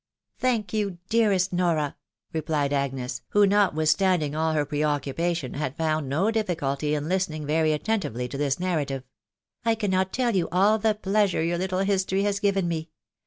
" Thank you, dearest Nora !" replied Agnes, who, notwith standing all her pre occupation, had found no difficulty in lis tening very attentively to this narrative ;" 1 cannot tell you all the pleasure your little history has given me